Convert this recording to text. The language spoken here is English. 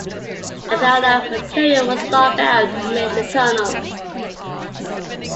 About of material was dug out to make the tunnel.